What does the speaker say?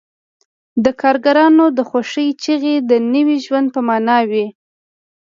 د کارګرانو د خوښۍ چیغې د نوي ژوند په مانا وې